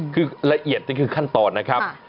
คือละเอียดนี่คือขั้นตอนนะครับ